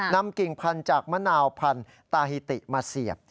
กิ่งพันธุ์จากมะนาวพันธุ์ตาฮิติมาเสียบ